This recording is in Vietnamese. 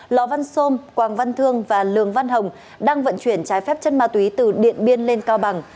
lò văn sôm quảng văn thương và lường văn hồng đang vận chuyển trái phép chất ma túy từ điện biên lên cao bằng